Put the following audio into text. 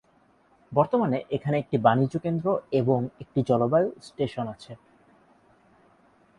বর্তমানে এখানে একটি বাণিজ্যকেন্দ্র এবং একটি জলবায়ু স্টেশন আছে।